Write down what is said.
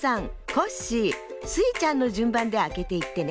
コッシースイちゃんのじゅんばんであけていってね。